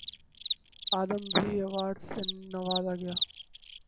آدم جی award سے نوازا گیا